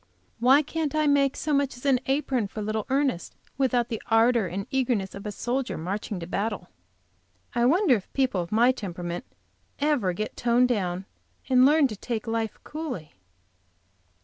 Why can't I make so much as an apron for little Ernest without the ardor and eagerness of a soldier marching to battle? I wonder if people of my temperament ever get toned down, and learn to take life coolly?